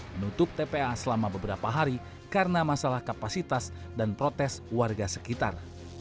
menutup tpa selama beberapa hari karena masalah kapasitas dan protes warga sekitar